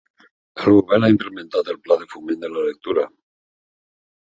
El govern ha implementat el pla de foment de la lectura.